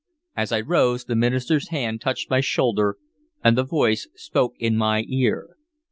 As I rose, the minister's hand touched my shoulder and the voice spoke in my ear.